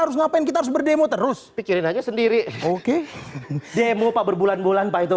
harus ngapain kita harus berdemo terus pikirin aja sendiri oke demo pak berbulan bulan pak itu